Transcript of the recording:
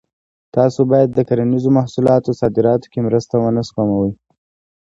تاسو باید د کرنیزو محصولاتو صادراتو کې مرسته ونه سپموئ.